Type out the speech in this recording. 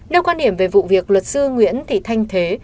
nêu quan điểm về vụ việc luật sư nguyễn thị thanh thế